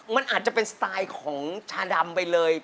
มันอาจจะเป็นสไตล์ของชาดำไปเลย